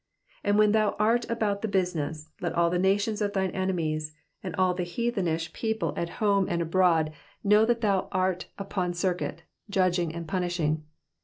And when thou art about the business, let all the nations of thine enemies, and all the Ifeathenish people at home and abroad know that thou art upon circuit, judging and punishing.